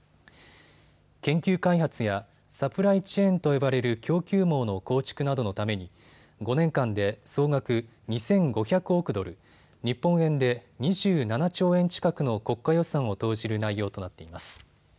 研究開発やサプライチェーンと呼ばれる供給網の構築などのために５年間で総額２５００億ドル、日本円で２７兆円近くの国家予算を投じる内容となっています。